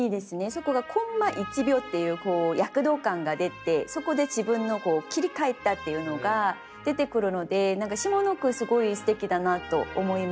そこが「コンマ１秒」っていう躍動感が出てそこで自分の切り替えたっていうのが出てくるので下の句すごいすてきだなと思いました。